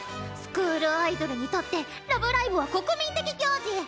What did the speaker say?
スクールアイドルにとって「ラブライブ！」は国民的行事！